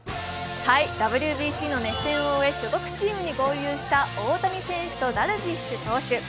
ＷＢＣの熱戦を終え、所属チームに合流した大谷選手とダルビッシュ投手。